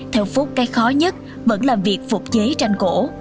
theo phúc cái khó nhất vẫn là việc phục giấy tranh cổ